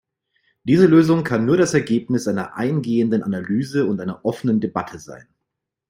Diese Lösung kann nur das Ergebnis einer eingehenden Analyse und einer offenen Debatte sein.